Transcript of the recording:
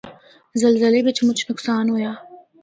زلزلے بچ مُچ نقصان ہویا۔